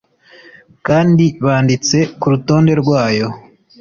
kandi banditse ku rutonde rwayo